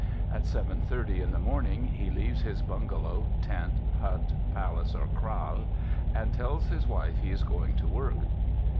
At seven thirty in the morning he leaves his bungalow, tent, hut, palace, or kraal, and tells his wife he is going to work.